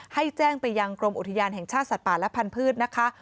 ให้แจ้งไปยังกรมอุทยานแห่งชาติสัตว์ป่าและพันธุ์นะคะ